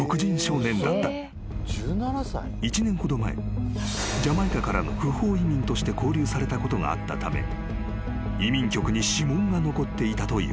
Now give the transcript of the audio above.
［１年ほど前ジャマイカからの不法移民として拘留されたことがあったため移民局に指紋が残っていたという］